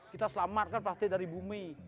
kita selamatkan pasti dari bumi